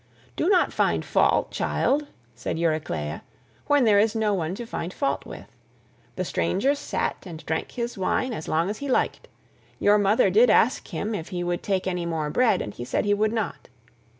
"Do not find fault child," said Euryclea, "when there is no one to find fault with. The stranger sat and drank his wine as long as he liked: your mother did ask him if he would take any more bread and he said he would not.